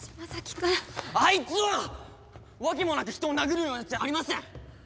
あいつは訳もなく人を殴るようなやつじゃありません！